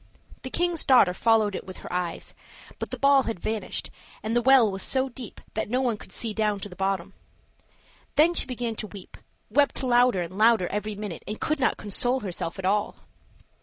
The king's daughter followed it with her eyes, but the ball had vanished, and the well was so deep that no one could see down to the bottom. Then she began to weep, wept louder and louder every minute, and could not console herself at all.